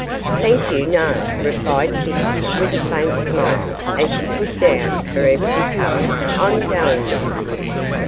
Thank you, no,' replied Kitty, with a faint smile as she put down her empty cup; 'I'm going now.